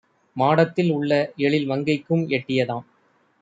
மாடத்தில் உள்ளஎழில் மங்கைக்கும் எட்டியதாம்.